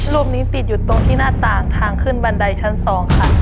รูปนี้ติดอยู่ตรงที่หน้าต่างทางขึ้นบันไดชั้น๒ค่ะ